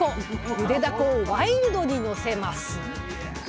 ゆでダコをワイルドにのせます。